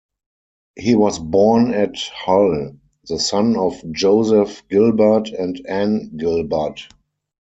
He was born at Hull, the son of Joseph Gilbert and Ann Gilbert.